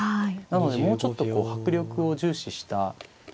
なのでもうちょっと迫力を重視した。